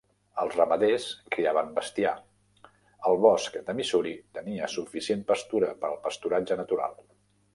Els ramaders criaven bestiar; el bosc de Missouri tenia suficient pastura per al pasturatge natural.